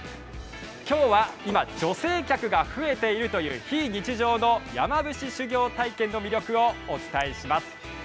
今日は今、女性客が増えているという非日常の山伏修行体験の魅力をお伝えします。